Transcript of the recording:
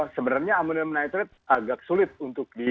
sebenarnya amonium nitrat agak sulit untuk diledakkan